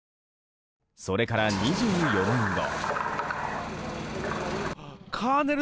それから２４年後。